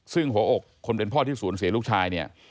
ซึ่งหัวอกคนเป็นพ่อที่สูญเสียลูกชายเนี่ย